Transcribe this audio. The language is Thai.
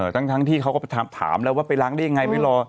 ทั้งที่เขาก็ไปถามแล้วว่าไปล้างได้ยังไงไม่รอ